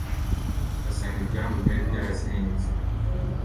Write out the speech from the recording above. basana iby'aho byari byarasenyutse